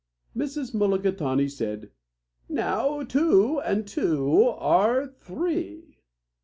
Mrs. Mulligatawny said, "Now two and two are three."